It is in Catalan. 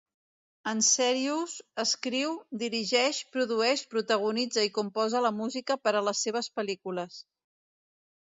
En Serious escriu, dirigeix, produeix, protagonitza i composa la música per a les seves pel·lícules.